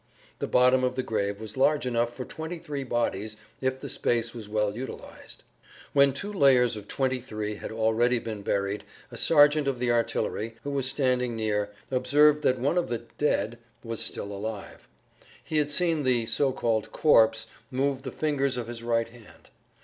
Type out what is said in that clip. The bottom of the grave was large enough for twenty three bodies if the space was well utilized. When two layers of twenty three had already been buried a sergeant of the artillery, who was standing near, observed that one of the "dead" was still alive. He had seen the "corpse" move the fingers of his right hand.